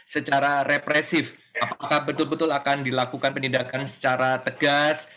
secara represif apakah betul betul akan dilakukan penindakan secara tegas